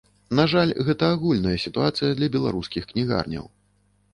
На жаль, гэта агульная сітуацыя для беларускіх кнігарняў.